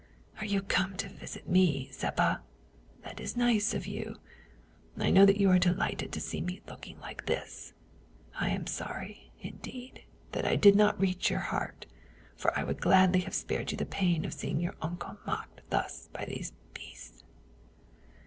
" Are you come to visit me, Seppa ? That is nice of you. I know that you are delighted to see me looking like this. I am sorry, indeed, that I did not reach your heart, for I would gladly have spared you the pain of seeing your uncle mocked thus by these beasts